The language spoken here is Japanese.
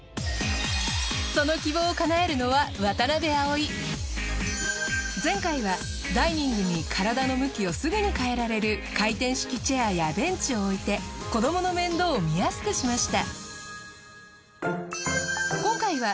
その希望をかなえるのは前回はダイニングに体の向きをすぐに変えられる回転式チェアやベンチを置いて子どもの面倒を見やすくしました。